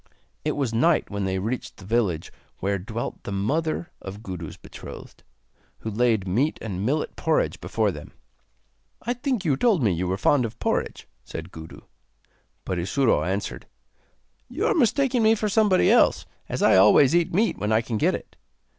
It was night when they reached the village where dwelt the mother of Gudu's betrothed, who laid meat and millet porridge before them. 'I think you told me you were fond of porridge,' said Gudu; but Isuro answered: 'You are mistaking me for somebody else, as I always eat meat when I can get it.